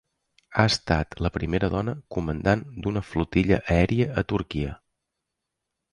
Ha estat la primera dona comandant d'una flotilla aèria a Turquia.